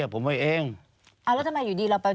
แจ้งความ